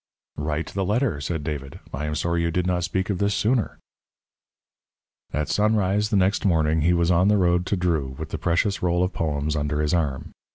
"Write the letter," said David, "I am sorry you did not speak of this sooner." At sunrise the next morning he was on the road to Dreux with the precious roll of poems under his arm.